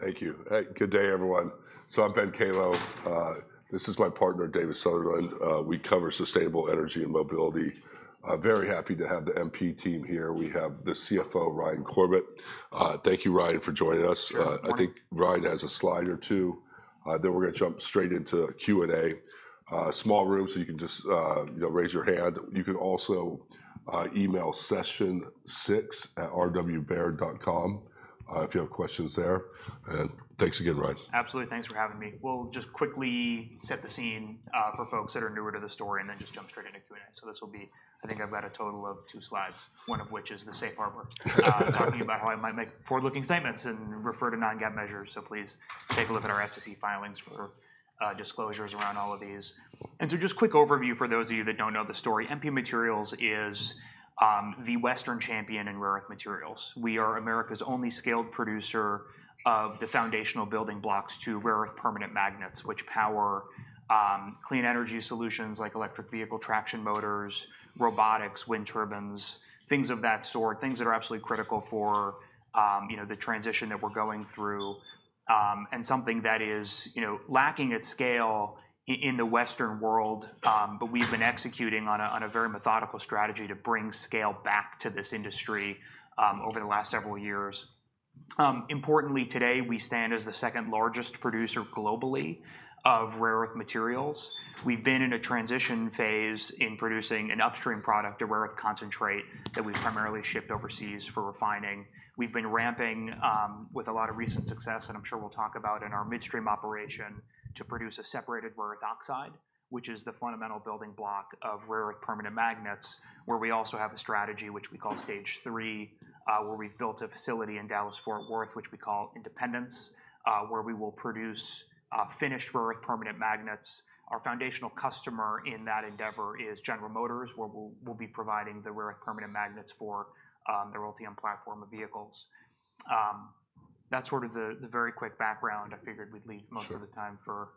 Thank you. Hey, good day, everyone. So I'm Ben Kallo. This is my partner, Davis Sunderland. We cover sustainable energy and mobility. Very happy to have the MP team here. We have the CFO, Ryan Corbett. Thank you, Ryan, for joining us. I think Ryan has a slide or two. Then we're going to jump straight into Q&A. Small room, so you can just raise your hand. You can also email session6@rwbaird.com if you have questions there. And thanks again, Ryan. Absolutely. Thanks for having me. We'll just quickly set the scene for folks that are newer to the story and then just jump straight into Q&A. So this will be. I think I've got a total of two slides, one of which is the Safe Harbor, talking about how I might make forward-looking statements and refer to non-GAAP measures. So please take a look at our SEC filings for disclosures around all of these. And so just quick overview for those of you that don't know the story. MP Materials is the Western champion in rare earth materials. We are America's only scaled producer of the foundational building blocks to rare earth permanent magnets, which power clean energy solutions like electric vehicle traction motors, robotics, wind turbines, things of that sort, things that are absolutely critical for the transition that we're going through, and something that is lacking at scale in the Western world. But we've been executing on a very methodical strategy to bring scale back to this industry over the last several years. Importantly, today, we stand as the second largest producer globally of rare earth materials. We've been in a transition phase in producing an upstream product, a rare earth concentrate that we've primarily shipped overseas for refining. We've been ramping with a lot of recent success, and I'm sure we'll talk about in our midstream operation to produce a separated rare earth oxide, which is the fundamental building block of rare earth permanent magnets, where we also have a strategy which we call Stage 3, where we've built a facility in Dallas, Fort Worth, which we call Independence, where we will produce finished rare earth permanent magnets. Our foundational customer in that endeavor is General Motors, where we'll be providing the rare earth permanent magnets for the Ultium platform of vehicles. That's sort of the very quick background. I figured we'd leave most of the time for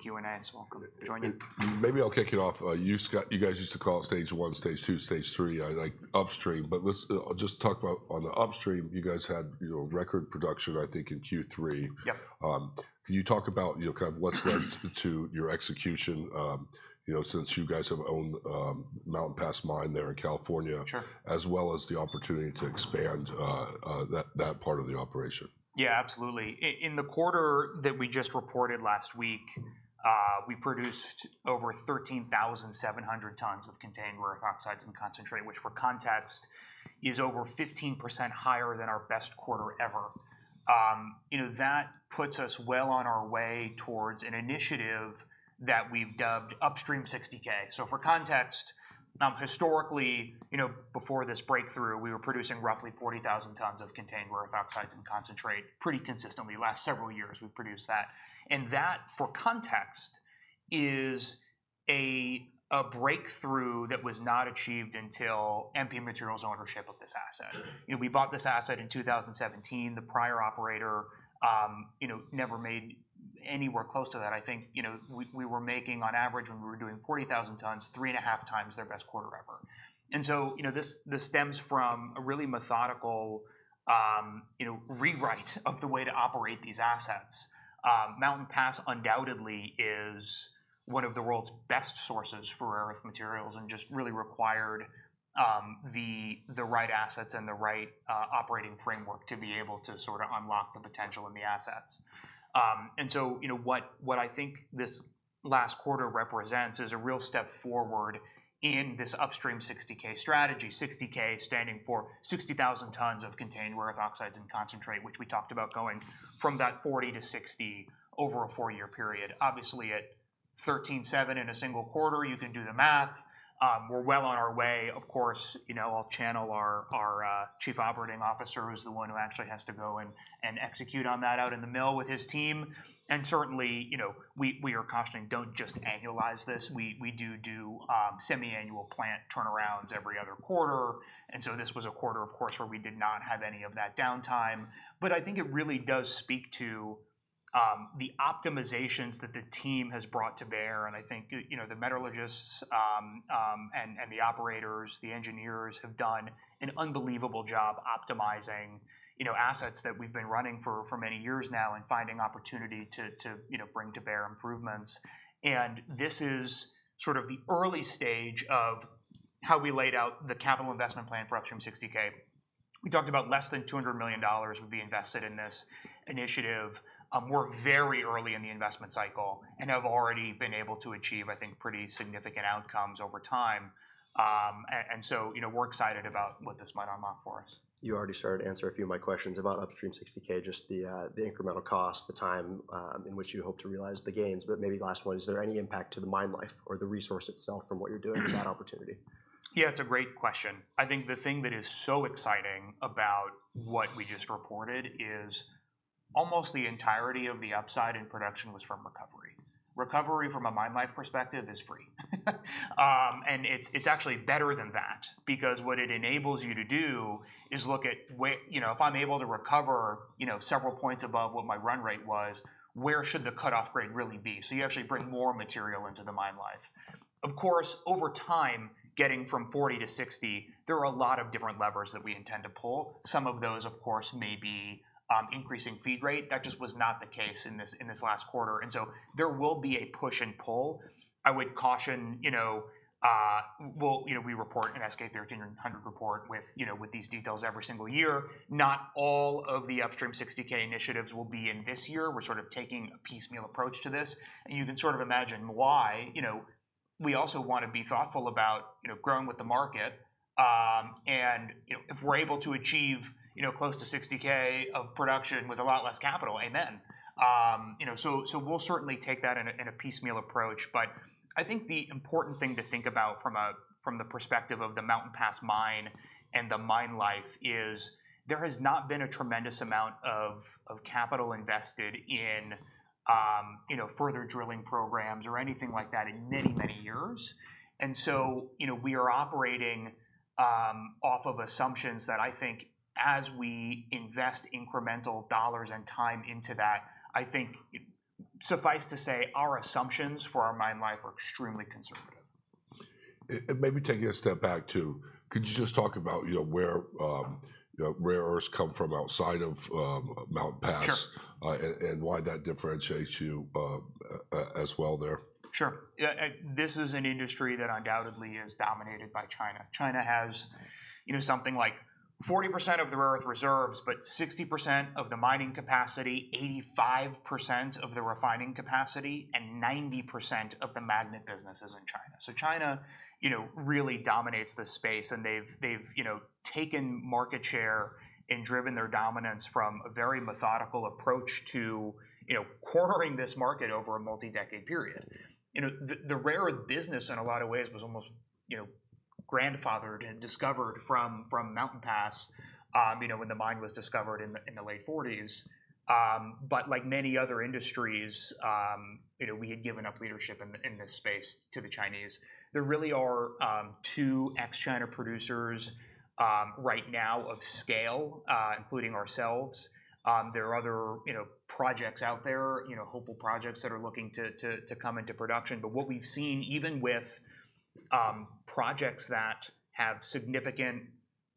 Q&A, so welcome to join in. Maybe I'll kick it off. You guys used to call it Stage 1, Stage 2, Stage 3, like upstream. But let's just talk about on the upstream, you guys had record production, I think, in Q3. Can you talk about kind of what's led to your execution since you guys have owned Mountain Pass mine there in California, as well as the opportunity to expand that part of the operation? Yeah, absolutely. In the quarter that we just reported last week, we produced over 13,700 tons of contained rare earth oxides and concentrate, which for context is over 15% higher than our best quarter ever. That puts us well on our way towards an initiative that we've dubbed Upstream 60K. So for context, historically, before this breakthrough, we were producing roughly 40,000 tons of contained rare earth oxides and concentrate pretty consistently. The last several years, we've produced that. And that, for context, is a breakthrough that was not achieved until MP Materials ownership of this asset. We bought this asset in 2017. The prior operator never made anywhere close to that. I think we were making, on average, when we were doing 40,000 tons, 3.5x their best quarter ever. And so this stems from a really methodical rewrite of the way to operate these assets. Mountain Pass, undoubtedly, is one of the world's best sources for rare earth materials and just really required the right assets and the right operating framework to be able to sort of unlock the potential in the assets, and so what I think this last quarter represents is a real step forward in this Upstream 60K strategy. 60K standing for 60,000 tons of contained rare earth oxides and concentrate, which we talked about going from that 40 to 60 over a four-year period. Obviously, at 13.7 in a single quarter, you can do the math. We're well on our way. Of course, I'll channel our Chief Operating Officer, who's the one who actually has to go and execute on that out in the mill with his team, and certainly, we are cautioning, don't just annualize this. We do do semi-annual plant turnarounds every other quarter. And so this was a quarter, of course, where we did not have any of that downtime. But I think it really does speak to the optimizations that the team has brought to bear. And I think the metallurgists and the operators, the engineers have done an unbelievable job optimizing assets that we've been running for many years now and finding opportunity to bring to bear improvements. And this is sort of the early stage of how we laid out the capital investment plan for Upstream 60K. We talked about less than $200 million would be invested in this initiative. We're very early in the investment cycle and have already been able to achieve, I think, pretty significant outcomes over time. And so we're excited about what this might unlock for us. You already started to answer a few of my questions about Upstream 60K, just the incremental cost, the time in which you hope to realize the gains. But maybe last one, is there any impact to the mine life or the resource itself from what you're doing with that opportunity? Yeah, it's a great question. I think the thing that is so exciting about what we just reported is almost the entirety of the upside in production was from recovery. Recovery from a mine life perspective is free. And it's actually better than that because what it enables you to do is look at, if I'm able to recover several points above what my run rate was, where should the cutoff grade really be? So you actually bring more material into the mine life. Of course, over time, getting from 40 to 60, there are a lot of different levers that we intend to pull. Some of those, of course, may be increasing feed rate. That just was not the case in this last quarter. And so there will be a push and pull. I would caution, we report an S-K 1300 report with these details every single year. Not all of the Upstream 60K initiatives will be in this year. We're sort of taking a piecemeal approach to this, and you can sort of imagine why. We also want to be thoughtful about growing with the market, and if we're able to achieve close to 60K of production with a lot less capital, amen. So we'll certainly take that in a piecemeal approach, but I think the important thing to think about from the perspective of the Mountain Pass mine and the mine life is there has not been a tremendous amount of capital invested in further drilling programs or anything like that in many, many years, and so we are operating off of assumptions that I think as we invest incremental dollars and time into that. I think suffice to say our assumptions for our mine life are extremely conservative. Maybe taking a step back too, could you just talk about where rare earths come from outside of Mountain Pass and why that differentiates you as well there? Sure. This is an industry that undoubtedly is dominated by China. China has something like 40% of the rare earth reserves, but 60% of the mining capacity, 85% of the refining capacity, and 90% of the magnet businesses in China. So China really dominates the space, and they've taken market share and driven their dominance from a very methodical approach to cornering this market over a multi-decade period. The rare earth business, in a lot of ways, was almost grandfathered and discovered from Mountain Pass when the mine was discovered in the late 1940s. But like many other industries, we had given up leadership in this space to the Chinese. There really are two ex-China producers right now of scale, including ourselves. There are other projects out there, hopeful projects that are looking to come into production. But what we've seen, even with projects that have significant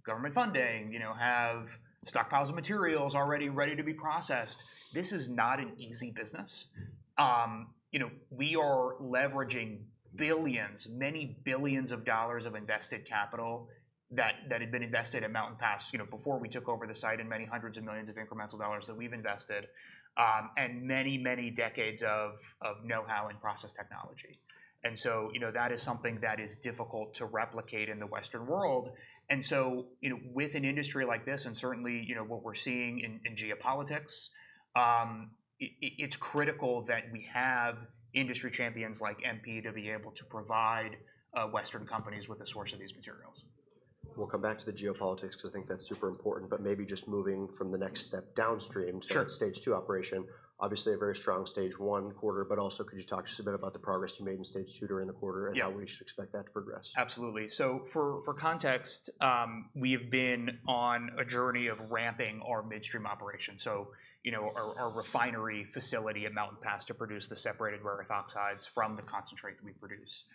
government funding, have stockpiles of materials already ready to be processed, this is not an easy business. We are leveraging billions, many billions of dollars of invested capital that had been invested at Mountain Pass before we took over the site and many hundreds of millions of incremental dollars that we've invested and many, many decades of know-how and process technology. And so that is something that is difficult to replicate in the Western world. And so with an industry like this, and certainly what we're seeing in geopolitics, it's critical that we have industry champions like MP to be able to provide Western companies with a source of these materials. We'll come back to the geopolitics because I think that's super important, but maybe just moving from the next step downstream to Stage 2 operation, obviously a very strong Stage 1 quarter. But also, could you talk just a bit about the progress you made in Stage 2 during the quarter and how we should expect that to progress? Absolutely. So for context, we have been on a journey of ramping our midstream operation, so our refinery facility at Mountain Pass to produce the separated rare earth oxides from the concentrate that we produce.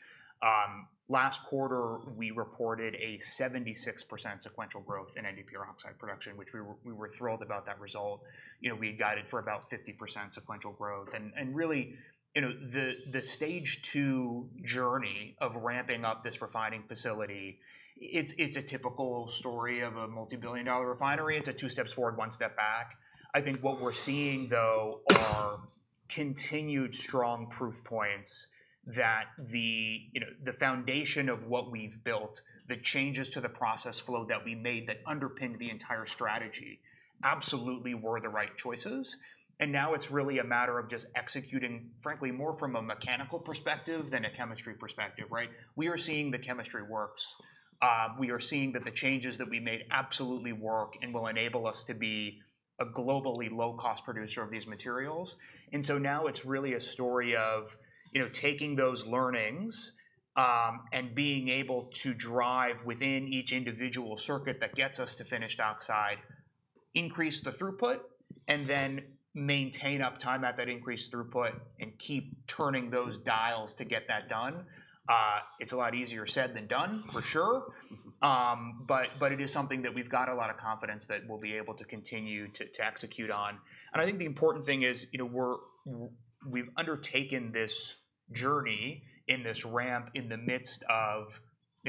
Last quarter, we reported a 76% sequential growth in NdPr oxide production, which we were thrilled about that result. We had guided for about 50% sequential growth. And really, the Stage 2 journey of ramping up this refining facility, it's a typical story of a multi-billion-dollar refinery. It's a two steps forward, one step back. I think what we're seeing, though, are continued strong proof points that the foundation of what we've built, the changes to the process flow that we made that underpinned the entire strategy absolutely were the right choices. And now it's really a matter of just executing, frankly, more from a mechanical perspective than a chemistry perspective, right? We are seeing the chemistry works. We are seeing that the changes that we made absolutely work and will enable us to be a globally low-cost producer of these materials, and so now it's really a story of taking those learnings and being able to drive within each individual circuit that gets us to finished oxide, increase the throughput, and then maintain uptime at that increased throughput and keep turning those dials to get that done. It's a lot easier said than done, for sure, but it is something that we've got a lot of confidence that we'll be able to continue to execute on, and I think the important thing is we've undertaken this journey in this ramp in the midst of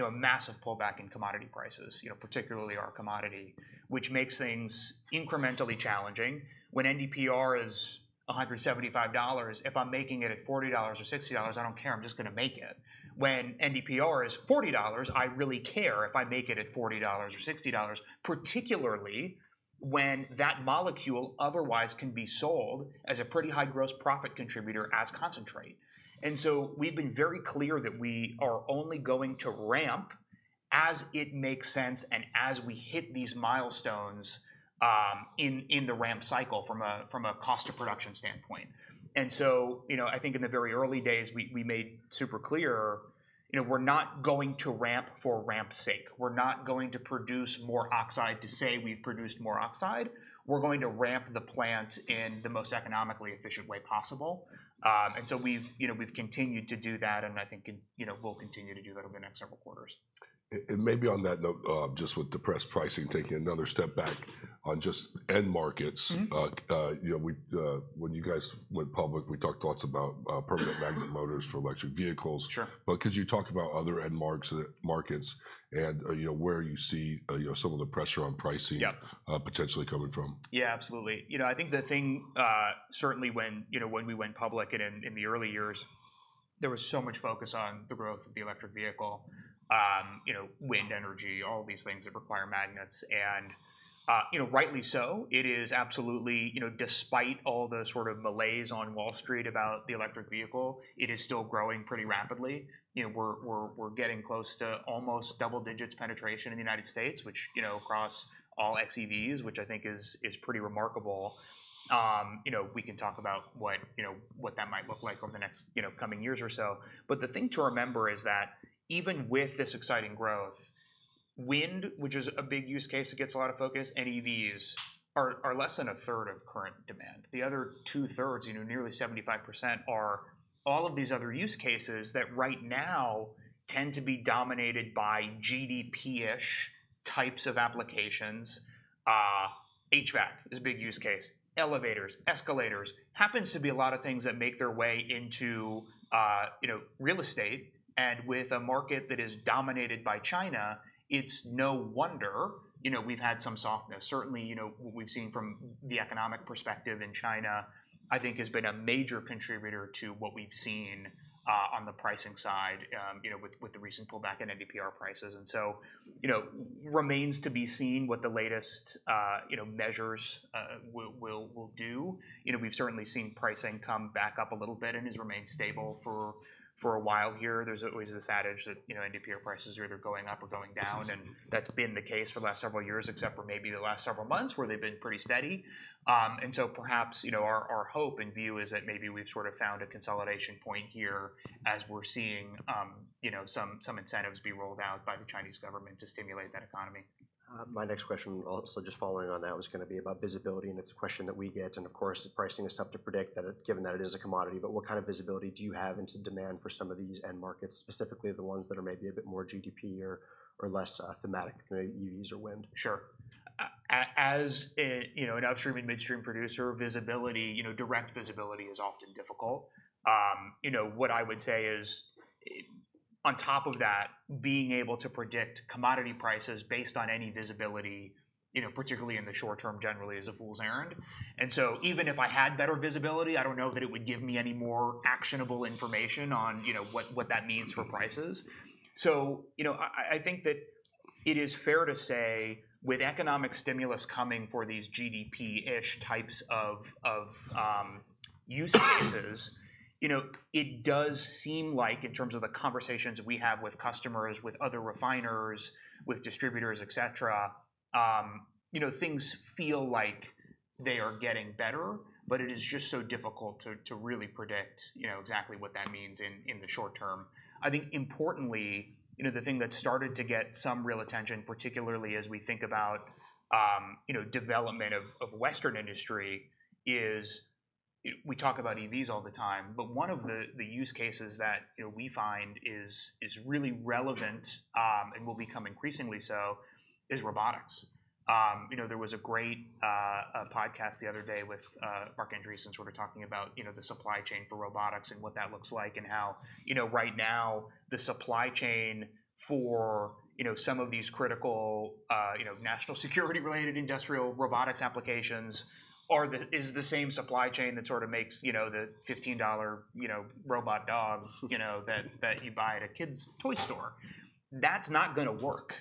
a massive pullback in commodity prices, particularly our commodity, which makes things incrementally challenging. When NdPr is $175, if I'm making it at $40 or $60, I don't care. I'm just going to make it. When NdPr is $40, I really care if I make it at $40 or $60, particularly when that molecule otherwise can be sold as a pretty high gross profit contributor as concentrate. And so we've been very clear that we are only going to ramp as it makes sense and as we hit these milestones in the ramp cycle from a cost of production standpoint. And so I think in the very early days, we made super clear we're not going to ramp for ramp's sake. We're not going to produce more oxide to say we've produced more oxide. We're going to ramp the plant in the most economically efficient way possible. And so we've continued to do that, and I think we'll continue to do that over the next several quarters. Maybe on that note, just with the NdPr pricing, taking another step back on just end markets, when you guys went public, we talked lots about permanent magnet motors for electric vehicles. But could you talk about other end markets and where you see some of the pressure on pricing potentially coming from? Yeah, absolutely. I think the thing, certainly when we went public in the early years, there was so much focus on the growth of the electric vehicle, wind energy, all these things that require magnets. And rightly so, it is absolutely, despite all the sort of malaise on Wall Street about the electric vehicle, it is still growing pretty rapidly. We're getting close to almost double digits penetration in the United States, which, across all xEVs, which I think is pretty remarkable. We can talk about what that might look like over the next coming years or so. But the thing to remember is that even with this exciting growth, wind, which is a big use case that gets a lot of focus, and EVs are less than a third of current demand. The other two thirds, nearly 75%, are all of these other use cases that right now tend to be dominated by GDP-ish types of applications. HVAC is a big use case. Elevators, escalators, happens to be a lot of things that make their way into real estate, and with a market that is dominated by China, it's no wonder we've had some softness. Certainly, what we've seen from the economic perspective in China, I think, has been a major contributor to what we've seen on the pricing side with the recent pullback in NdPr prices, and so remains to be seen what the latest measures will do. We've certainly seen pricing come back up a little bit and has remained stable for a while here. There's always this adage that NdPr prices are either going up or going down. And that's been the case for the last several years, except for maybe the last several months where they've been pretty steady. And so perhaps our hope and view is that maybe we've sort of found a consolidation point here as we're seeing some incentives be rolled out by the Chinese government to stimulate that economy. My next question, also just following on that, was going to be about visibility, and it's a question that we get, and of course, pricing is tough to predict given that it is a commodity, but what kind of visibility do you have into demand for some of these end markets, specifically the ones that are maybe a bit more GDP or less thematic, EVs or wind? Sure. As an upstream and midstream producer, direct visibility is often difficult. What I would say is, on top of that, being able to predict commodity prices based on any visibility, particularly in the short term generally, is a fool's errand. And so even if I had better visibility, I don't know that it would give me any more actionable information on what that means for prices. So I think that it is fair to say with economic stimulus coming for these GDP-ish types of use cases, it does seem like in terms of the conversations we have with customers, with other refiners, with distributors, et cetera, things feel like they are getting better, but it is just so difficult to really predict exactly what that means in the short term. I think importantly, the thing that started to get some real attention, particularly as we think about development of Western industry, is we talk about EVs all the time, but one of the use cases that we find is really relevant and will become increasingly so is robotics. There was a great podcast the other day with Marc Andreessen sort of talking about the supply chain for robotics and what that looks like and how right now the supply chain for some of these critical national security-related industrial robotics applications is the same supply chain that sort of makes the $15 robot dog that you buy at a kid's toy store. That's not going to work,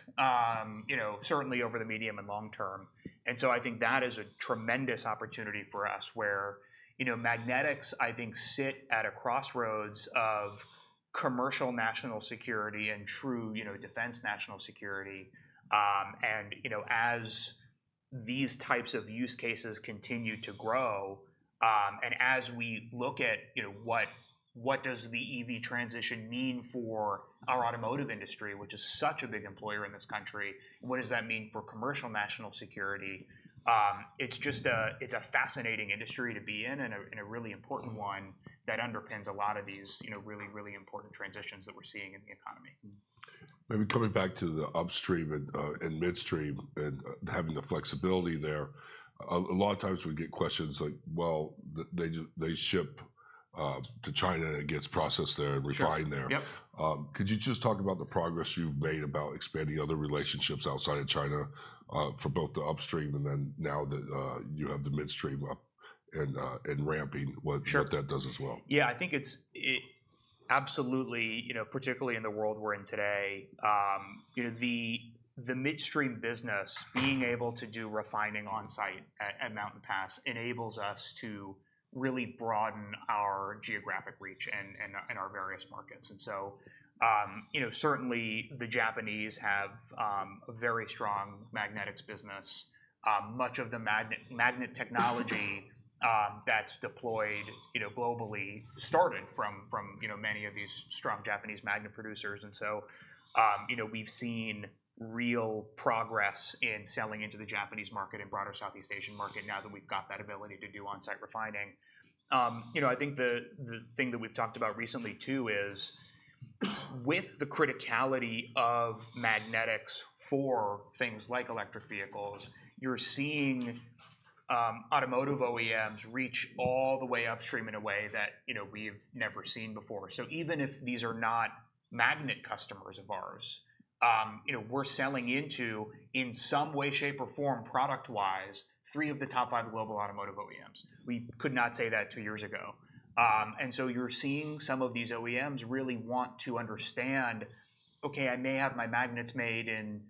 certainly over the medium and long term. And so I think that is a tremendous opportunity for us where magnetics, I think, sit at a crossroads of commercial national security and true defense national security. And as these types of use cases continue to grow and as we look at what does the EV transition mean for our automotive industry, which is such a big employer in this country, what does that mean for commercial national security? It's a fascinating industry to be in and a really important one that underpins a lot of these really, really important transitions that we're seeing in the economy. Maybe coming back to the upstream and midstream and having the flexibility there, a lot of times we get questions like, well, they ship to China and it gets processed there and refined there. Could you just talk about the progress you've made about expanding other relationships outside of China for both the upstream and then now that you have the midstream up and ramping what that does as well? Yeah, I think it's absolutely, particularly in the world we're in today, the midstream business, being able to do refining on site at Mountain Pass enables us to really broaden our geographic reach in our various markets. And so certainly the Japanese have a very strong magnetics business. Much of the magnet technology that's deployed globally started from many of these strong Japanese magnet producers. And so we've seen real progress in selling into the Japanese market and broader Southeast Asian market now that we've got that ability to do on-site refining. I think the thing that we've talked about recently, too, is with the criticality of magnetics for things like electric vehicles, you're seeing automotive OEMs reach all the way upstream in a way that we've never seen before. So even if these are not magnet customers of ours, we're selling into, in some way, shape, or form, product-wise, three of the top five global automotive OEMs. We could not say that two years ago. And so you're seeing some of these OEMs really want to understand, okay, I may have my magnets made in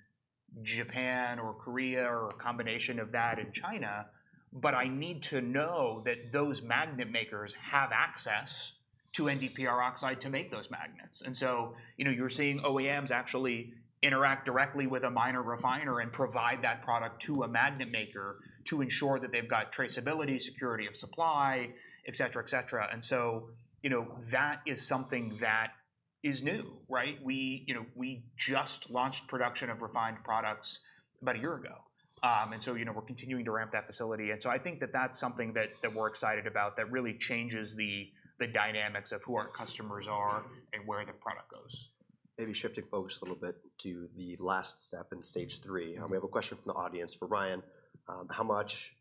Japan or Korea or a combination of that in China, but I need to know that those magnet makers have access to NdPr oxide to make those magnets. And so you're seeing OEMs actually interact directly with a miner refiner and provide that product to a magnet maker to ensure that they've got traceability, security of supply, et cetera, et cetera. And so that is something that is new, right? We just launched production of refined products about a year ago. And so we're continuing to ramp that facility. And so I think that that's something that we're excited about that really changes the dynamics of who our customers are and where the product goes. Maybe shifting focus a little bit to the last step in Stage 3. We have a question from the audience for Ryan. How much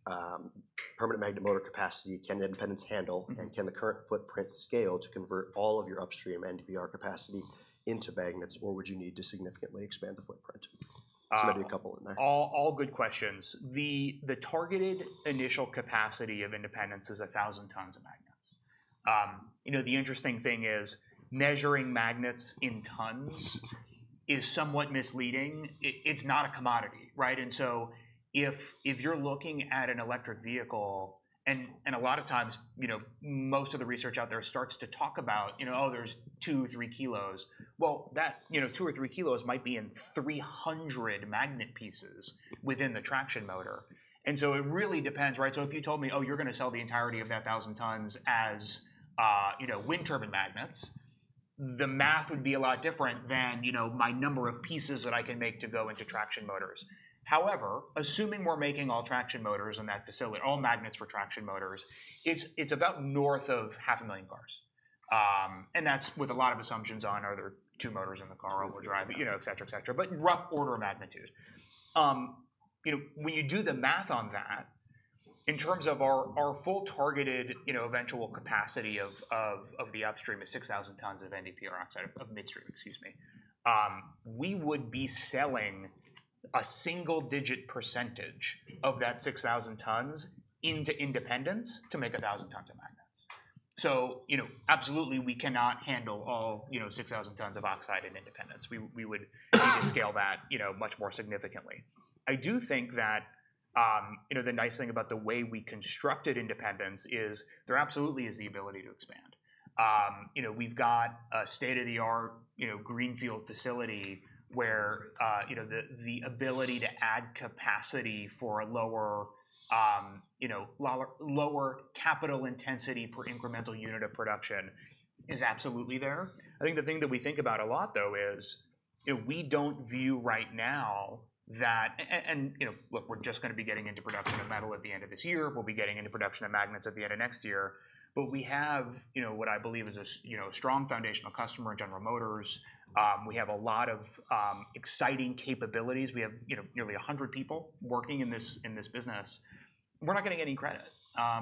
permanent magnet motor capacity can Independence handle and can the current footprint scale to convert all of your upstream NdPr capacity into magnets, or would you need to significantly expand the footprint? So maybe a couple in there. All good questions. The targeted initial capacity of Independence is 1,000 tons of magnets. The interesting thing is measuring magnets in tons is somewhat misleading. It's not a commodity, right? And so if you're looking at an electric vehicle, and a lot of times most of the research out there starts to talk about, oh, there's two or three kilos. Well, two or three kilos might be in 300 magnet pieces within the traction motor. And so it really depends, right? So if you told me, oh, you're going to sell the entirety of that 1,000 tons as wind turbine magnets, the math would be a lot different than my number of pieces that I can make to go into traction motors. However, assuming we're making all traction motors in that facility, all magnets for traction motors, it's about north of 500,000 cars. And that's with a lot of assumptions on are there two motors in the car all we're driving, et cetera, et cetera, but in rough order of magnitude. When you do the math on that, in terms of our full targeted eventual capacity of the upstream is 6,000 tons of NdPr oxide of midstream, excuse me, we would be selling a single-digit % of that 6,000 tons into Independence to make 1,000 tons of magnets. So absolutely, we cannot handle all 6,000 tons of oxide in Independence. We would scale that much more significantly. I do think that the nice thing about the way we constructed Independence is there absolutely is the ability to expand. We've got a state-of-the-art greenfield facility where the ability to add capacity for a lower capital intensity per incremental unit of production is absolutely there. I think the thing that we think about a lot, though, is we don't view right now that, and look, we're just going to be getting into production of metal at the end of this year. We'll be getting into production of magnets at the end of next year. But we have what I believe is a strong foundational customer in General Motors. We have a lot of exciting capabilities. We have nearly 100 people working in this business. We're not getting any credit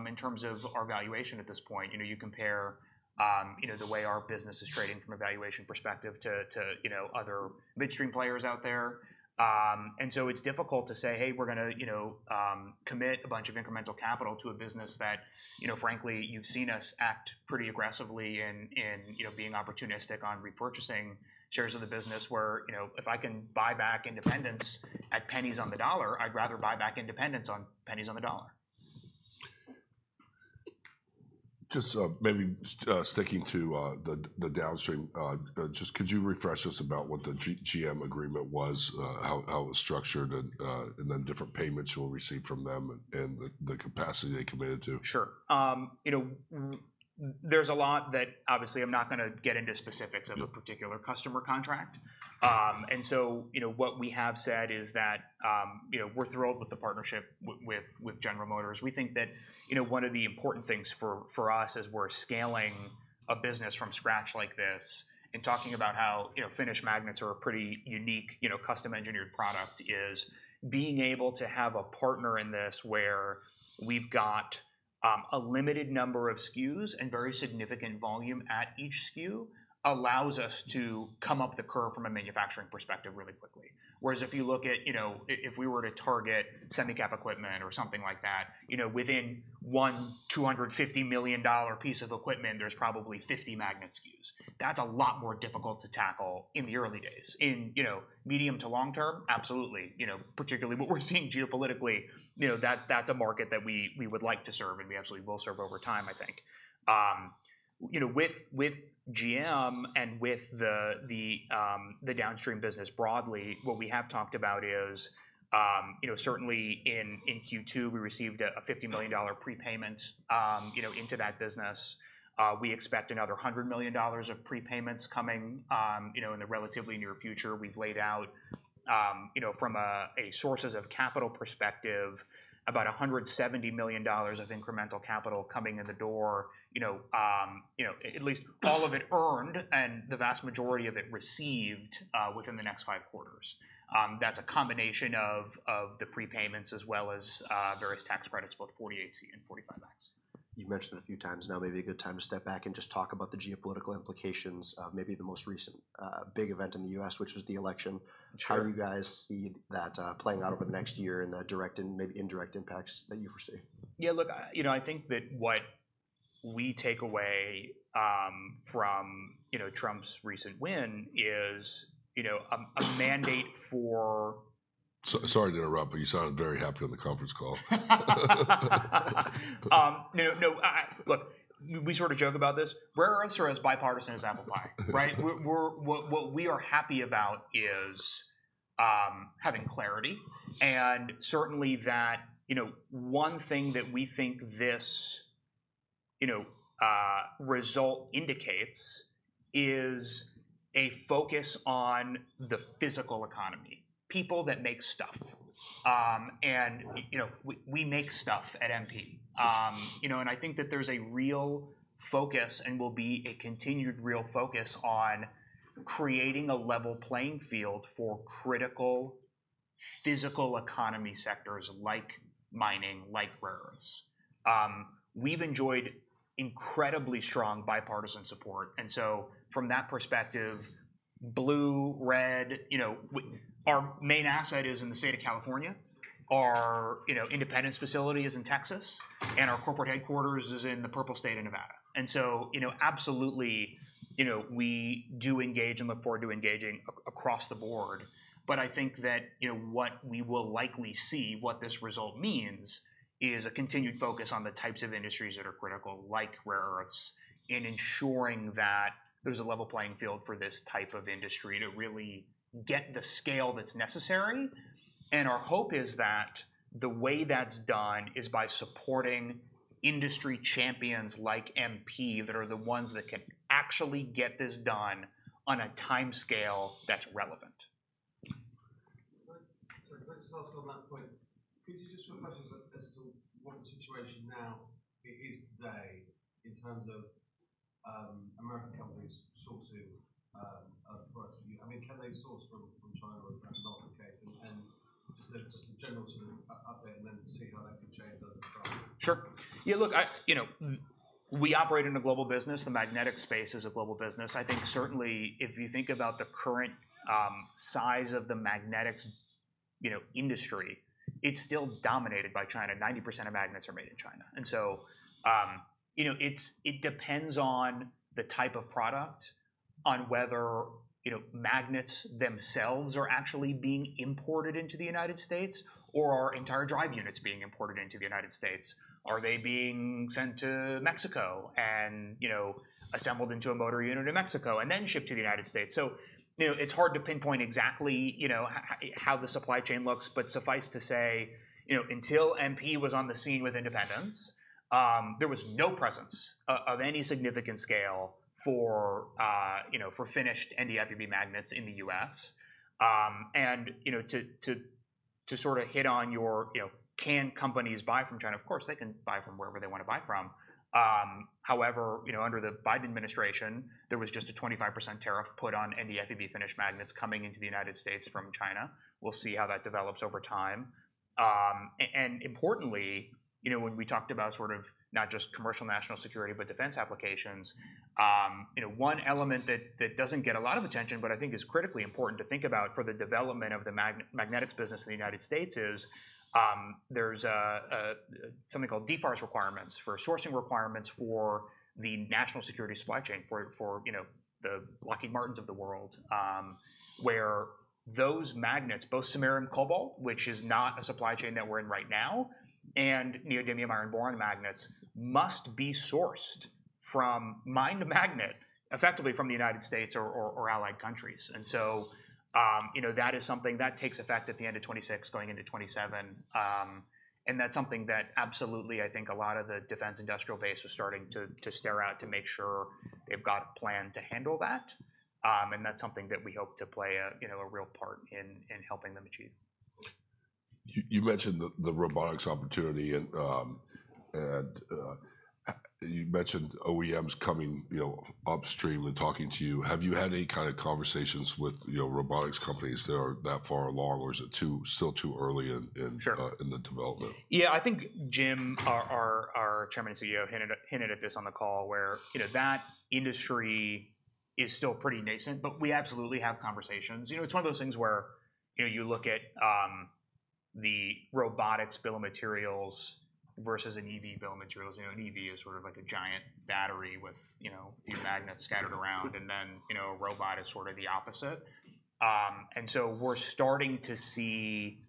in terms of our valuation at this point. You compare the way our business is trading from a valuation perspective to other midstream players out there. It's difficult to say, hey, we're going to commit a bunch of incremental capital to a business that, frankly, you've seen us act pretty aggressively in being opportunistic on repurchasing shares of the business where if I can buy back Independence at pennies on the dollar, I'd rather buy back Independence on pennies on the dollar. Just maybe sticking to the downstream, just could you refresh us about what the GM agreement was, how it was structured, and then different payments you'll receive from them and the capacity they committed to? Sure. There's a lot that obviously I'm not going to get into specifics of a particular customer contract. And so what we have said is that we're thrilled with the partnership with General Motors. We think that one of the important things for us as we're scaling a business from scratch like this and talking about how finished magnets are a pretty unique custom-engineered product is being able to have a partner in this where we've got a limited number of SKUs and very significant volume at each SKU allows us to come up the curve from a manufacturing perspective really quickly. Whereas if you look at if we were to target semicap equipment or something like that, within one $250 million piece of equipment, there's probably 50 magnet SKUs. That's a lot more difficult to tackle in the early days. In medium to long term, absolutely. Particularly what we're seeing geopolitically, that's a market that we would like to serve and we absolutely will serve over time, I think. With GM and with the downstream business broadly, what we have talked about is certainly in Q2, we received a $50 million prepayment into that business. We expect another $100 million of prepayments coming in the relatively near future. We've laid out from a sources of capital perspective about $170 million of incremental capital coming in the door, at least all of it earned and the vast majority of it received within the next five quarters. That's a combination of the prepayments as well as various tax credits, both 48C and 45X. You've mentioned it a few times now. Maybe a good time to step back and just talk about the geopolitical implications of maybe the most recent big event in the U.S., which was the election. How do you guys see that playing out over the next year and the direct and maybe indirect impacts that you foresee? Yeah, look, I think that what we take away from Trump's recent win is a mandate for. Sorry to interrupt, but you sounded very happy on the conference call. No, no, no. Look, we sort of joke about this. We're as bipartisan as apple pie, right? What we are happy about is having clarity, and certainly that one thing that we think this result indicates is a focus on the physical economy, people that make stuff, and we make stuff at MP, and I think that there's a real focus and will be a continued real focus on creating a level playing field for critical physical economy sectors like mining, like rares. We've enjoyed incredibly strong bipartisan support, and so from that perspective, blue, red, our main asset is in the state of California. Our Independence facility is in Texas, and our corporate headquarters is in the purple state of Nevada, and so absolutely, we do engage and look forward to engaging across the board. But I think that what we will likely see, what this result means, is a continued focus on the types of industries that are critical, like rare earths, and ensuring that there's a level playing field for this type of industry to really get the scale that's necessary. And our hope is that the way that's done is by supporting industry champions like MP that are the ones that can actually get this done on a time scale that's relevant. Sorry, can I just ask about that point? Could you just put questions as to what the situation now is today in terms of American companies sourcing products? I mean, can they source from China or is that not the case, and just a general sort of update and then see how that could change under Trump. Sure. Yeah, look, we operate in a global business. The magnetic space is a global business. I think certainly if you think about the current size of the magnetics industry, it's still dominated by China. 90% of magnets are made in China. And so it depends on the type of product, on whether magnets themselves are actually being imported into the United States or our entire drive units being imported into the United States. Are they being sent to Mexico and assembled into a motor unit in Mexico and then shipped to the United States? So it's hard to pinpoint exactly how the supply chain looks, but suffice to say, until MP was on the scene with Independence, there was no presence of any significant scale for finished NdFeB magnets in the U.S. To sort of hit on your question, can companies buy from China? Of course, they can buy from wherever they want to buy from. However, under the Biden administration, there was just a 25% tariff put on NdFeB finished magnets coming into the United States from China. We'll see how that develops over time. Importantly, when we talked about sort of not just commercial national security, but defense applications, one element that doesn't get a lot of attention, but I think is critically important to think about for the development of the magnetics business in the United States is there's something called DFARS requirements for sourcing requirements for the national security supply chain for the Lockheed Martin of the world, where those magnets, both samarium cobalt, which is not a supply chain that we're in right now, and neodymium-iron-boron magnets must be sourced from domestic magnet, effectively from the United States or allied countries. And so that is something that takes effect at the end of 2026 going into 2027. And that's something that absolutely I think a lot of the defense industrial base was starting to gear up to make sure they've got a plan to handle that. That's something that we hope to play a real part in helping them achieve. You mentioned the robotics opportunity. And you mentioned OEMs coming upstream and talking to you. Have you had any kind of conversations with robotics companies that are that far along, or is it still too early in the development? Yeah, I think Jim, our Chairman and CEO, hinted at this on the call where that industry is still pretty nascent, but we absolutely have conversations. It's one of those things where you look at the robotics bill of materials versus an EV bill of materials. An EV is sort of like a giant battery with your magnets scattered around, and then a robot is sort of the opposite. And so we're starting to see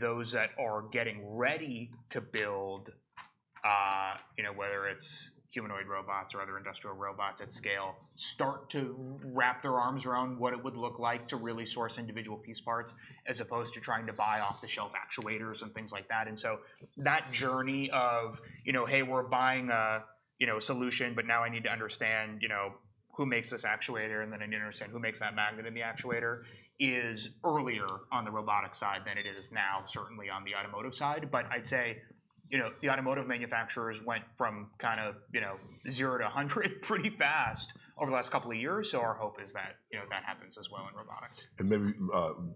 those that are getting ready to build, whether it's humanoid robots or other industrial robots at scale, start to wrap their arms around what it would look like to really source individual piece parts as opposed to trying to buy off-the-shelf actuators and things like that. And so that journey of, hey, we're buying a solution, but now I need to understand who makes this actuator, and then I need to understand who makes that magnet in the actuator is earlier on the robotics side than it is now, certainly on the automotive side. But I'd say the automotive manufacturers went from kind of zero to 100 pretty fast over the last couple of years. So our hope is that that happens as well in robotics. Maybe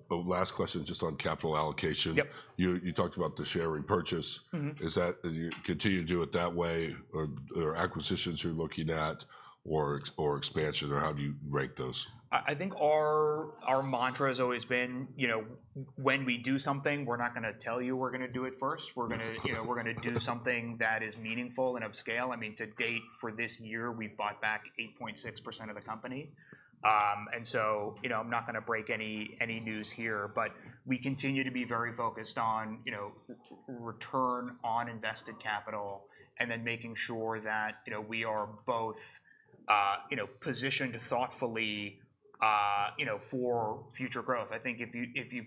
the last question just on capital allocation. You talked about the share repurchase. Is that you continue to do it that way or acquisitions you're looking at or expansion, or how do you rate those? I think our mantra has always been when we do something, we're not going to tell you we're going to do it first. We're going to do something that is meaningful and of scale. I mean, to date for this year, we've bought back 8.6% of the company, and so I'm not going to break any news here, but we continue to be very focused on return on invested capital and then making sure that we are both positioned thoughtfully for future growth. I think if you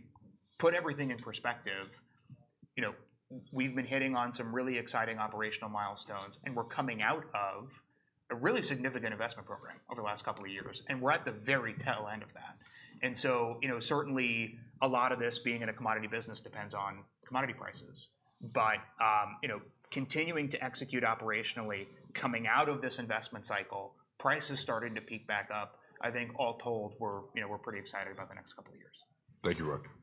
put everything in perspective, we've been hitting on some really exciting operational milestones, and we're coming out of a really significant investment program over the last couple of years, and we're at the very tail end of that, and so certainly a lot of this being in a commodity business depends on commodity prices. But continuing to execute operationally, coming out of this investment cycle, prices starting to peak back up, I think all told, we're pretty excited about the next couple of years. Thank you, Ryan.